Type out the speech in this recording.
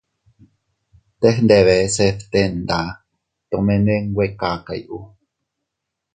Teg ndebe se bte nda tomene nwe kakay u.